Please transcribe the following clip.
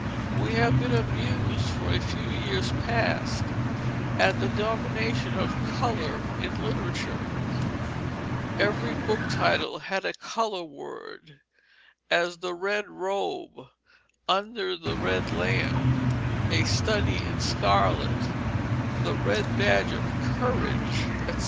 We have been amused for a few years past at the domination of color in literature; every book title had a color word, as The Red Robe, Under the Red Lamp, A Study in Scarlet, The Red Badge of Courage, etc.